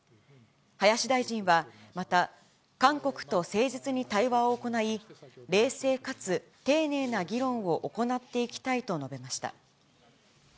林大臣はまた、韓国と誠実に対話を行い、冷静かつ丁寧な議論を行っていきたいと述べました。